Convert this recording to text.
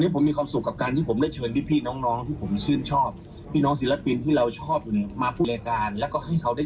ไปฟังเสียงสีอีกกันค่ะโหน่ากิน